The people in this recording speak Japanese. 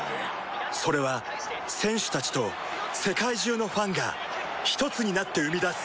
それは選手たちと世界中のファンがひとつになって生み出す